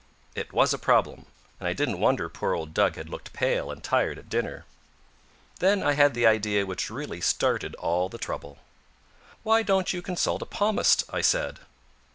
It was a problem, and I didn't wonder poor old Dug had looked pale and tired at dinner. Then I had the idea which really started all the trouble. "Why don't you consult a palmist?" I said.